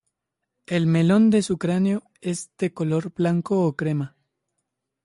El melón de su cráneo es de color blanco o crema.